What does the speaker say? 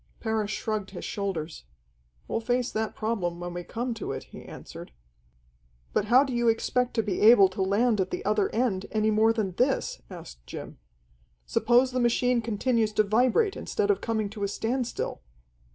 Parrish shrugged his shoulders. "We'll face that problem when we come to it," he answered. "But how do you expect to be able to land at the other end any more than this?" asked Jim. "Suppose the machine continues to vibrate instead of coming to a standstill?"